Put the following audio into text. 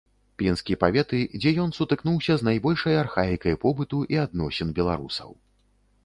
Пінскі паветы, дзе ён сутыкнуўся з найбольшай архаікай побыту і адносін беларусаў.